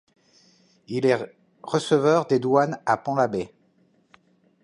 Il est receveur des douanes à Pont-l'Abbé.